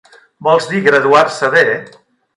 Vols dir graduar-se bé?